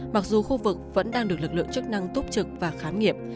mặc dù khu vực vẫn đang được lực lượng chức năng túc trực và khám nghiệm